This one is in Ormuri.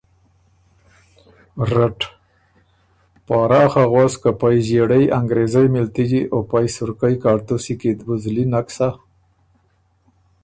رټ: پاراخه غؤس که پئ زئېړئ انګرېزئ مِلتجِی او پئ سُرکئ کاړتُوسی کی ت بُو زلی نک سَۀ؟